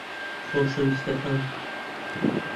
خۆشەویستەکەم